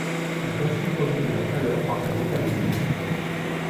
Une personne produit de la chaleur par son métabolisme.